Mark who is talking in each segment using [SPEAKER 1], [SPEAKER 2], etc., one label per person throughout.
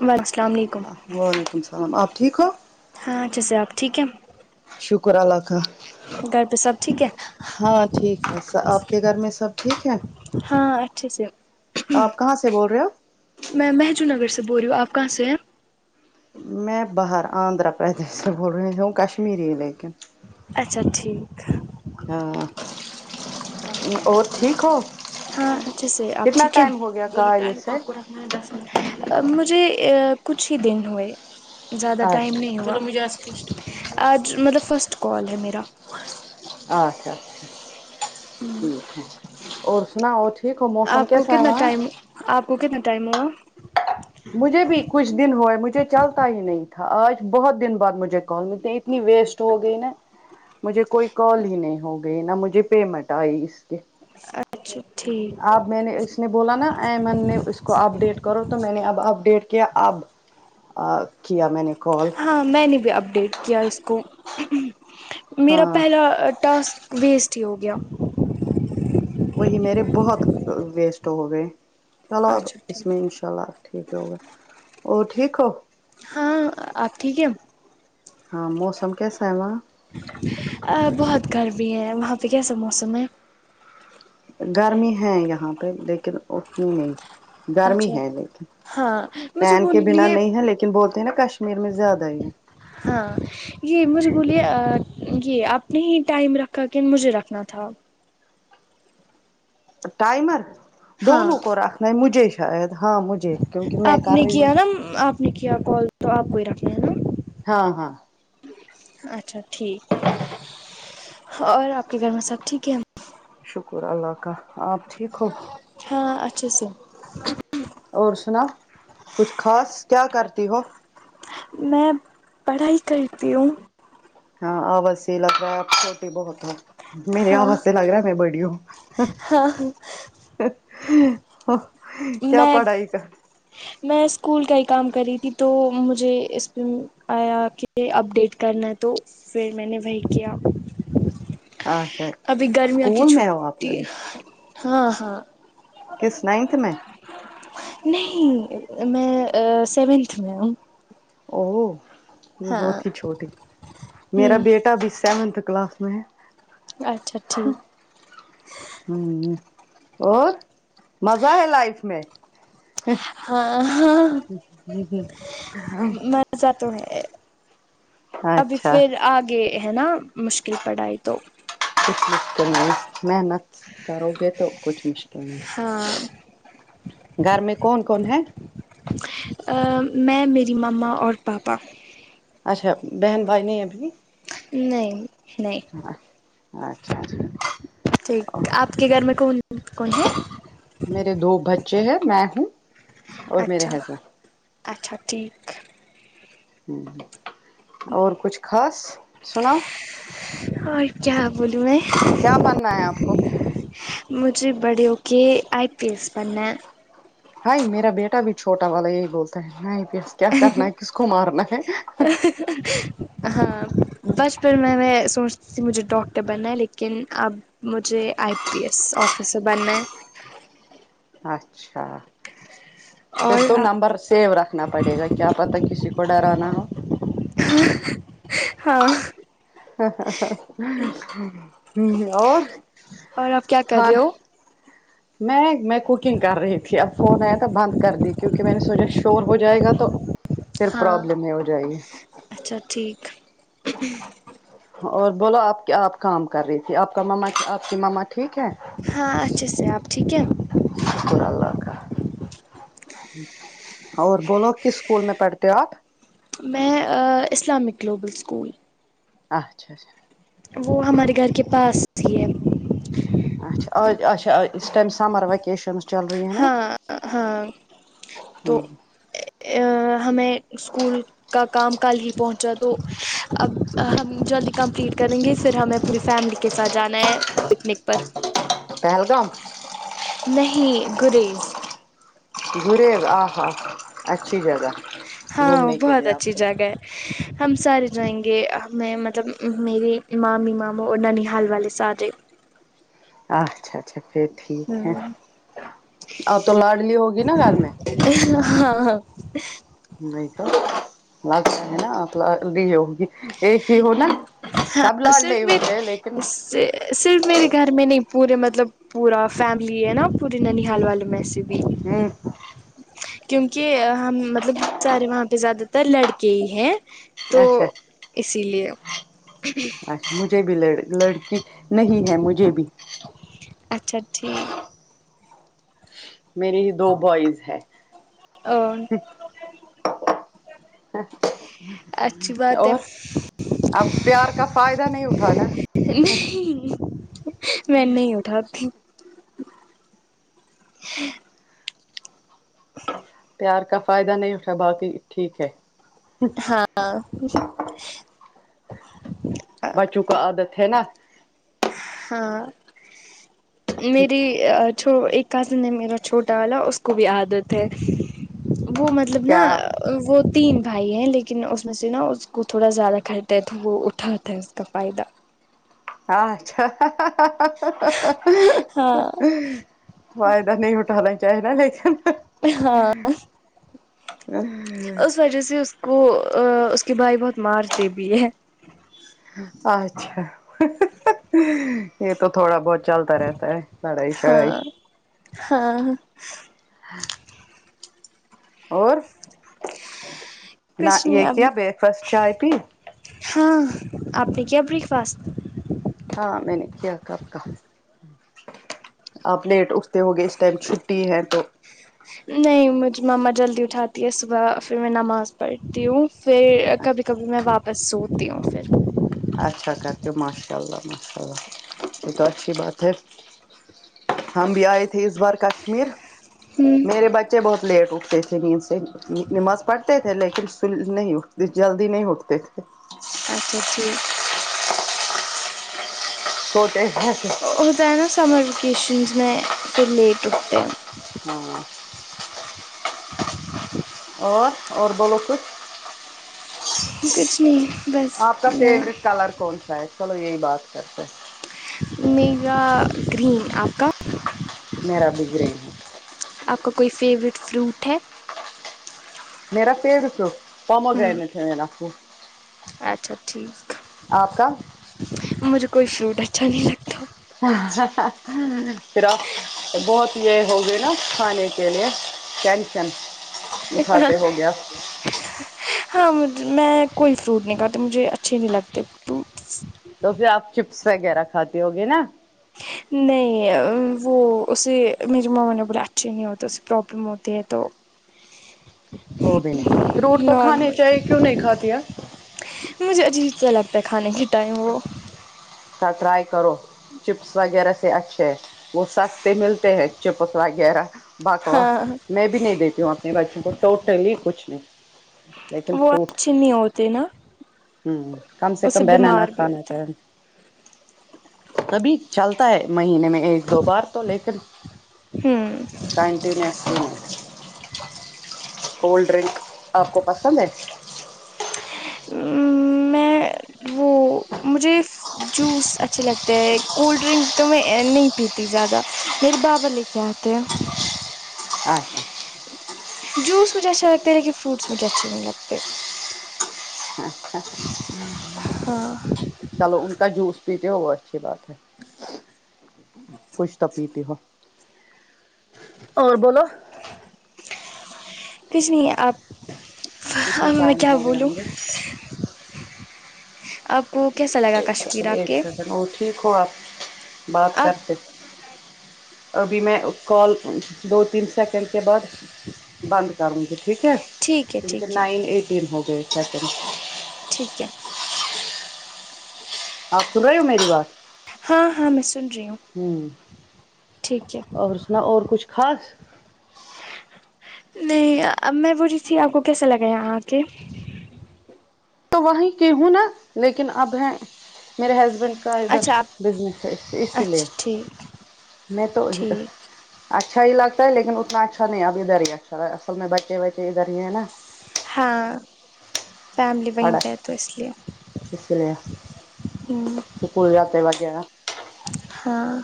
[SPEAKER 1] وعلیکم السلام علیکم
[SPEAKER 2] وعلیکم السلام آپ ٹھیک ہو
[SPEAKER 1] ہاں اچھے سےآپ ٹھیک ہے
[SPEAKER 2] شکر اللہ کا
[SPEAKER 1] گھر پہ سب ٹھیک ہے
[SPEAKER 2] ہاں ٹھیک ہے س آپ کے گھر میں سب ٹھیک ہے
[SPEAKER 1] ہاں اچھے سے
[SPEAKER 2] آپ کہاں سے بول رہے ہو
[SPEAKER 1] میں مہجو نگر سے بول رہی ہوں آپ کہاں سے ہے
[SPEAKER 2] میں باہر آندھرا پردیش سے بول رہی ہوں کشمیری لیکن
[SPEAKER 1] اچھا ٹھیک
[SPEAKER 2] ہاں اور ٹھیک ہو
[SPEAKER 1] ہاں اچھے سے آپ
[SPEAKER 2] کتنا
[SPEAKER 1] ٹھیک ہے
[SPEAKER 2] ٹائم ہو گیا کاریہ سے
[SPEAKER 1] مجھے ا کچھ ہی دن ہوئے زیادہ ٹائم
[SPEAKER 2] اچھا
[SPEAKER 1] نہیں ہوا آج مطلب فرسٹ کال ہے میرا
[SPEAKER 2] اچھا اچھا ٹھیک ٹھیک اور سناؤ اٹھ دیکھو موسم
[SPEAKER 1] آپ کو
[SPEAKER 2] کیسا ہے
[SPEAKER 1] کتنا
[SPEAKER 2] وہاں
[SPEAKER 1] ٹائم آپ کو کتنا ٹائم ہوا
[SPEAKER 2] مجھے بھی کچھ دن ہوئے مجھے چلتا ہی نہیں تھا آج بہت دن بعد مجھے کال ملتے اتنی ویسٹ ہو گئی نا مجھے کوئی کال ہی نہیں ہو گئی نا مجھے پیمنٹ آئی اس کے
[SPEAKER 1] اچھا ٹھیک
[SPEAKER 2] اب میں نے اس نے بولا نا ایمن نے اس کو اپ ڈیٹ کرو تو میں نے اب اپ ڈیٹ کیا اب آ کیا میں نے کال
[SPEAKER 1] ہاں میں نے بھی اپڈیٹ کیا اس کو میرا
[SPEAKER 2] ہاں
[SPEAKER 1] پہلا ٹاسک ویسٹ ہی ہو گیا
[SPEAKER 2] وہی میرے بہت ویسٹ ہو گئے چلو اب
[SPEAKER 1] اچھا
[SPEAKER 2] اس
[SPEAKER 1] ٹھیک
[SPEAKER 2] میں انشاء اللہ اب ٹھیک ہوگا اور ٹھیک ہو
[SPEAKER 1] ہاں آپ ٹھیک ہے
[SPEAKER 2] ہاں موسم کیسا ہے وہاں
[SPEAKER 1] بہت گرمی ہے وہاں پہ کیسا موسم ہے
[SPEAKER 2] گرمی ہے یہاں پہ لیکن اتنی نہیں گرمی
[SPEAKER 1] اچھا
[SPEAKER 2] ہے لیکن
[SPEAKER 1] ہاں مجھے
[SPEAKER 2] فین کے بنا
[SPEAKER 1] بولیے
[SPEAKER 2] نہیں ہے لیکن بولتے ہیں نا کشمیر میں زیادہ ہی ہے
[SPEAKER 1] ہاں یہ مجھے بولئے یہ اپنے ہی ٹائم رکھا کہ مجھے رکھنا تھا
[SPEAKER 2] ٹائمر
[SPEAKER 1] ہاں
[SPEAKER 2] دونوں کو رکھناہے مجھے شاید ہاں مجھے کیونکہ میں
[SPEAKER 1] آپ
[SPEAKER 2] کر
[SPEAKER 1] نے
[SPEAKER 2] رہی ہو
[SPEAKER 1] کیا نا آپ نے کیا کال تو آپ کو بھی رکھ لے نا
[SPEAKER 2] ہاں ہاں
[SPEAKER 1] اچھا ٹھیک اور آپ کے گھر میں سب ٹھیک ہے
[SPEAKER 2] شکر اللہ کا آپ ٹھیک ہو
[SPEAKER 1] ہاں اچھا سے
[SPEAKER 2] اور سناو کچھ خاص کیا کرتی ہو
[SPEAKER 1] میں پڑھائی کرتی ہوں
[SPEAKER 2] ہاں آواز سے ھی لگ رہا ہے اپ چھوٹی بہت ہے میرے
[SPEAKER 1] ہاں
[SPEAKER 2] آواز سے لگ رہا ہے میں بڑی ہوں
[SPEAKER 1] ہاں
[SPEAKER 2] کیا
[SPEAKER 1] میں
[SPEAKER 2] پڑھائی کر
[SPEAKER 1] میں اسکول کا ہی کام کر رہی تھی تو مجھے اس آیا کے اپ ڈیٹ کرنا تو پھر میں نے وہی کیا
[SPEAKER 2] اچھا
[SPEAKER 1] ابھی گرمیاں کی
[SPEAKER 2] اسکول میں ہو آپ
[SPEAKER 1] چھوٹی
[SPEAKER 2] ابھی
[SPEAKER 1] ہاں ہاں
[SPEAKER 2] کس نائنتھ میں
[SPEAKER 1] نہیں میں آ سیونتھ میں ہوں
[SPEAKER 2] او
[SPEAKER 1] ہاں
[SPEAKER 2] بہت ہی چھوٹی میرا
[SPEAKER 1] ہوں
[SPEAKER 2] بیٹا بھی سیونتھ کلاس میں ہے
[SPEAKER 1] اچھا ٹھیک
[SPEAKER 2] ہوں اور مزہ ہے لائف میں
[SPEAKER 1] ہاں ہاں
[SPEAKER 2] ہا
[SPEAKER 1] مزہ تو ہے ابھی
[SPEAKER 2] اچھا
[SPEAKER 1] پھر آگے ہے نا مشکل پڑائی تو
[SPEAKER 2] کچھ مشکل نہیں محنت کرو گے تو کچھ مشکل نہیں
[SPEAKER 1] ہاں
[SPEAKER 2] گھر میں کون کون ہے
[SPEAKER 1] میں میری مما اور پاپا
[SPEAKER 2] اچھا بہن بھائی نے ابھی
[SPEAKER 1] نہیں نہیں
[SPEAKER 2] ہا اچھا اچھا
[SPEAKER 1] ٹھیک آپ کے گھر میں کون کون ہے
[SPEAKER 2] میرے دو بچے ہیں میں ہوں اور میرے
[SPEAKER 1] اچھا
[SPEAKER 2] حسبینڈ
[SPEAKER 1] اچھا ٹھیک
[SPEAKER 2] ہمم اور کچھ خاص سناؤ
[SPEAKER 1] اور کیا بولوں میں
[SPEAKER 2] کیا بننا ہے آپ کو
[SPEAKER 1] مجھے بڑے اوکے آئی پی ایس پننے ہیں
[SPEAKER 2] بھائی میرا بیٹا بھی چھوٹا والا یہی بولتا ہے نہیں پیس کیا کرنا ہے کس کو مارنا ہے
[SPEAKER 1] ہاں بچپن میں میں سوچتی تھی مجھے ڈاکٹر بننا ہے لیکن اب مجھے آئی پی ایس آفسر بننا ہے
[SPEAKER 2] اچھا پھر
[SPEAKER 1] اور
[SPEAKER 2] تو نمبر سیو رکھ نا پڑے گا کیا پتا کسی کو ڈرانا ہو
[SPEAKER 1] ہاں
[SPEAKER 2] ہمم اور
[SPEAKER 1] اور آپ کیا کر رہے
[SPEAKER 2] کھانا
[SPEAKER 1] ہو
[SPEAKER 2] میں میں کوکنگ کر رہی تھی اب فون آیا تو بند کر دی کیونکہ میں نے سوچا شور ہو جائے گا تو پھر
[SPEAKER 1] ہاں
[SPEAKER 2] پروابلم یہ ہو جائی
[SPEAKER 1] اچھا ٹھیک
[SPEAKER 2] اور بولو آپ آپ کام کر رہی تھی آپ کا ماما آپ کی ماما ٹھیک ہے
[SPEAKER 1] ہاں اچھے سے آپ ٹھیک ہے
[SPEAKER 2] شکر اللہ کا اور بولو کس اسکول میں پڑھتے ہو آپ
[SPEAKER 1] میں اسلامک گلوبل سکول
[SPEAKER 2] اچھا اچھا
[SPEAKER 1] وہ ہمارے گھر
[SPEAKER 2] ٹھیک
[SPEAKER 1] کے پاس ہی ہے
[SPEAKER 2] اچھا اچا ا اس ٹائم سمر وکیشنز
[SPEAKER 1] ہاں ہاں تو ہمیں اسکول کا کام کل ہی پہنچا تو اب ہم جلدی کمپلیٹ کریں گے پھر ہمیں پوری فیملی کے ساتھ جانا ہے پکنک پر
[SPEAKER 2] پہلگام
[SPEAKER 1] نہیں گریز
[SPEAKER 2] گریب آ ہا اچھی جگہ
[SPEAKER 1] ہاں
[SPEAKER 2] گھومنے کے
[SPEAKER 1] بہت
[SPEAKER 2] لیے آپ
[SPEAKER 1] اچھی
[SPEAKER 2] کو
[SPEAKER 1] جگہ ہے ہم سارے جائیں گے ہم میں مطلب میرے مامی ماموں اور ننی حال والے سارے
[SPEAKER 2] اچھا اچھا پھر ٹھیک ہے
[SPEAKER 1] ہاں
[SPEAKER 2] اب تو لاڈلی ہوگی نا گھر میں
[SPEAKER 1] ہاں ہاں
[SPEAKER 2] نہیں تو لگتا ہے نا آ ل لی ہوگی [unintelligible] ایک ہی ہو نا
[SPEAKER 1] ہاں
[SPEAKER 2] سب لاڈلے
[SPEAKER 1] صرف میرے
[SPEAKER 2] ہوتے لیکن
[SPEAKER 1] صرف میرے گھر میں نہیں پورے مطلب پورا فیملی ہے نا پورے ننی حال والے میں سے بھی
[SPEAKER 2] ہوں
[SPEAKER 1] کیونکہ ہم مطلب سارے وہاں پہ زیادہ تر لڑکے ہی ہیں تو
[SPEAKER 2] اچھا
[SPEAKER 1] اسی لیے
[SPEAKER 2] اچھا مجھے بھی ل لڑکی نہیں ہے مجھے بھی
[SPEAKER 1] اچھا ٹھیک
[SPEAKER 2] میری دو بوائز ہے
[SPEAKER 1] اور اچھی بات ہے
[SPEAKER 2] اور اب پیار کا فائدہ نہیں اٹھانا
[SPEAKER 1] نہیں میں نہیں اٹھاتی ہوں ح ہ
[SPEAKER 2] پیار کا فائدہ نہیں اٹھا باقی ٹھیک ہے
[SPEAKER 1] ہاں
[SPEAKER 2] بچوں کو عادت ہے نا
[SPEAKER 1] ہاں میری ایک کازن ہے میرا چھوٹا والا اس کو بھی عادت ہے وہ م طلب نا
[SPEAKER 2] کیا
[SPEAKER 1] وہ تین بھائی ہیں لیکن اس میں سے نا اس کو تھوڑا زیادہ خرد ہے تو وہ اٹھاتا ہے اس کا فائدہ
[SPEAKER 2] اچھا
[SPEAKER 1] ہاں
[SPEAKER 2] فائدہ نہیں اٹھانا چاہیے لیکن
[SPEAKER 1] ہاں
[SPEAKER 2] آ ہ
[SPEAKER 1] اس وجہ سے اس کو ا اس کے بھائی بہت مارتے بھی ہے
[SPEAKER 2] اچھا یہ تو تھوڑا بہت چلتا رہتا ہے لڑائی شڑائی
[SPEAKER 1] ہاں ہاں
[SPEAKER 2] اور نہ
[SPEAKER 1] کچھ نہیں
[SPEAKER 2] یہ
[SPEAKER 1] ابھی
[SPEAKER 2] کیا بریک فاسٹ چائے پی
[SPEAKER 1] ہاں آپ نے کیا بریک فاسٹ
[SPEAKER 2] ہاں میں نے کیا کب کا آپ لیٹ اٹھتے ہوگئے اس ٹائم چھٹی ہے تو
[SPEAKER 1] نہیں مجھے مما جلدی اٹھاتی ہے صبح پھر میں نماز پڑھتی ہوں پھر کبھی کبھی میں واپس سوتی ہوں پھر
[SPEAKER 2] اچھا کرتے ہو ماشاء اللہ ماشاء اللہ یہ تو اچھی بات ہے ہم بھی آے تھے اس بار کشمیر
[SPEAKER 1] ہوں
[SPEAKER 2] میرے بچے بہت لیٹ اٹھتے تھے نیند سے نماز پڑھتے تھے لیکن سن نہیں ا یہ جلدی نہیں اٹتے
[SPEAKER 1] اچھا ٹھیک
[SPEAKER 2] سوتے رہتے
[SPEAKER 1] ہوتا ہے نا سمر ویکیشنز میں پھر لیٹ اٹھتے ہیں
[SPEAKER 2] ہاں اور اور بولو کچھ
[SPEAKER 1] کچھ نہیں بس
[SPEAKER 2] آپ کا
[SPEAKER 1] میں
[SPEAKER 2] فیورٹ کلر کون سا ہے چلو یہی بات کرتے ہیں
[SPEAKER 1] میرا گرین آپ کا
[SPEAKER 2] میرا بھی گرین ہے
[SPEAKER 1] آپ کا کوئی فیوریٹ فروٹ ہے
[SPEAKER 2] میرا فیوریٹ فروٹ
[SPEAKER 1] ہوں
[SPEAKER 2] پومگرانیٹ ہے میرا فروٹ
[SPEAKER 1] اچھا ٹھیک مجھے کوئی شوٹ اچھا نہیں لگتا
[SPEAKER 2] پھر آپ بہت یہ ہوگے نا کھانے کے لیے ٹینشن
[SPEAKER 1] ایک
[SPEAKER 2] اٹھاتے ہو گیا
[SPEAKER 1] بنانا ہاں میں د میں کوئی فروٹ نہیں کھاتے مجھے اچھے نہیں لگتے فروٹ
[SPEAKER 2] تو پھر آپ چپس وغیرہ کھاتے ہو گے نا
[SPEAKER 1] نہیں ا وہ اسے میری مما نے بولے اچھے نہیں ہوتے اسے پرابلم ہوتی ہے تو
[SPEAKER 2] وہ بھی نہیں فروٹ تو کھانے
[SPEAKER 1] نارمل
[SPEAKER 2] چاہیے کیوں نہیں کھاتی ا
[SPEAKER 1] مجھے عجیب سا لگتا ہے کھانے کے ٹائم وہ
[SPEAKER 2] تا ٹرائی کرو چپس وغیرہ سے اچھے ہیں وہ سستے ملتے ہیں چپس وغیرہ بکواہ
[SPEAKER 1] ہاں
[SPEAKER 2] میں بھی نہیں دیتی ہوں اپنے بچوں کو ٹوٹلی کچھ نہیں لیکن
[SPEAKER 1] وہ
[SPEAKER 2] فروٹ
[SPEAKER 1] اچھے نہیں ہوتے نا
[SPEAKER 2] ہوں کم سے
[SPEAKER 1] اس
[SPEAKER 2] کم بنانا
[SPEAKER 1] بیمار بھی
[SPEAKER 2] کھانا
[SPEAKER 1] ہوتا
[SPEAKER 2] تھا
[SPEAKER 1] ہے۔
[SPEAKER 2] کبھی چلتا ہے مہینے میں ایک دو بار تو لیکن
[SPEAKER 1] ہوں
[SPEAKER 2] کونٹینوسلی نہیں کولڈ ڈرنک آپ کو پسند ہے
[SPEAKER 1] وں میں اے وہ وہ مجھے اس جوس اچھے لگتے ہیں کولڈ ڈرنک تو میں اے نہیں پیتی زیادہ میرے بابا لے کے آتے ہیں
[SPEAKER 2] اچھا
[SPEAKER 1] جوس مجھے اچھا لگتا ہے لیکن فروٹس مجھے اچھے نہیں لگتے
[SPEAKER 2] اچھا
[SPEAKER 1] ہاں
[SPEAKER 2] چلو ان کا جوس پیتے ہو وہ اچھی بات ہے کچھ تو پیتے ہو اور بولو
[SPEAKER 1] کچھ نہیں ہے آپ
[SPEAKER 2] کتنے
[SPEAKER 1] اب میں
[SPEAKER 2] ٹائم
[SPEAKER 1] کیا
[SPEAKER 2] ہو گیا
[SPEAKER 1] بولوں
[SPEAKER 2] مجھے
[SPEAKER 1] آپ کو کیسا لگا
[SPEAKER 2] ایک
[SPEAKER 1] کشمیر
[SPEAKER 2] سیکنڈ
[SPEAKER 1] آ
[SPEAKER 2] ایک
[SPEAKER 1] کے
[SPEAKER 2] سیکنڈ اور ٹھیک ہو آپ بات
[SPEAKER 1] اب
[SPEAKER 2] کرتے ابھی میں کال دو تین سیکنڈ کے بعد بند کروں گی ٹھیک ہے
[SPEAKER 1] ٹھیک ہے
[SPEAKER 2] کیونکہ
[SPEAKER 1] ٹھیک ہے
[SPEAKER 2] نائن ایٹین ہو گئے سیکنڈ
[SPEAKER 1] ٹھیک ہے
[SPEAKER 2] آپ سن رہے ہو میری بات
[SPEAKER 1] ہاں ہاں میں سن رہی ہوں
[SPEAKER 2] ہوں
[SPEAKER 1] ٹھیک ہے
[SPEAKER 2] اور سناؤ اور کچھ خاص
[SPEAKER 1] نہیں اب میں بول رہی تھی آپ کو کیسے لگا یہاں آکے
[SPEAKER 2] تو وہیں کی ہوں نا لیکن اب ہیں میرے ہسبینڈ س ادھر
[SPEAKER 1] اچھا آپ
[SPEAKER 2] بزنس ہے اسی لیے
[SPEAKER 1] اچھا ٹھیک
[SPEAKER 2] نہیں تو
[SPEAKER 1] ٹھیک
[SPEAKER 2] اچھا ہی لگتا ہے لیکن اتنا اچھا نہیں اب ادھر ہی اچھا اصل میں بچے وچے ادھر ہی ہیں نا
[SPEAKER 1] ہاں فیملی وہیں
[SPEAKER 2] پڑا
[SPEAKER 1] پہ ہے تو اس لیے
[SPEAKER 2] اس لیے اسکول جاتے وقت کیا نا
[SPEAKER 1] ہاں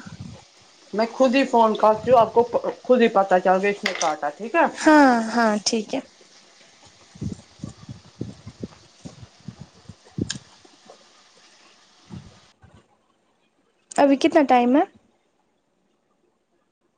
[SPEAKER 2] میں خود ہی فون کرتی ہوں آپ کو خود ہی پتہ چل گیا اس میں کاٹا ٹھیک ہے
[SPEAKER 1] ہاں ہاں ٹھیک ہے ابھی کتنا ٹائم ہے